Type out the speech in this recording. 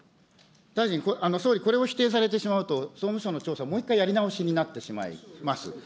大臣、総理、これも否定されてしまうと総務省の調査、もう一回やり直しになってしまいます。